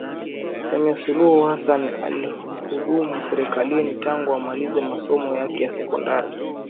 Samia Suluhu Hassan alihudumu Serikalini tangu amalize masomo yake ya sekondari